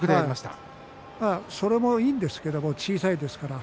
それもいいんですけれども小さいですから。